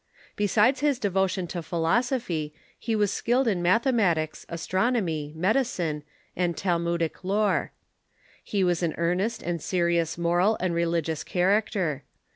Besides his devotion to phi losophy, he was skilled in mathematics, astronomy, medicine, and Talmudic lore. He was an earnest and serious moral and religious character.